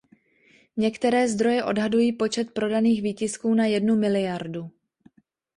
Některé zdroje odhadují počet prodaných výtisků na jednu miliardu.